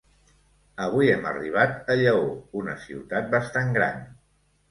Avui hem arribat a Lleó, una ciutat bastant gran.